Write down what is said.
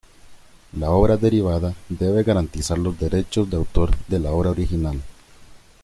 La obra derivada debe garantizar los derechos de autor de la obra original.